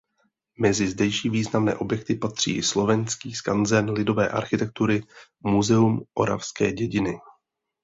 Mezi zdejší významné objekty patří i slovenský skanzen lidové architektury Muzeum oravské dědiny.